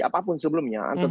apapun sebelumnya tetapi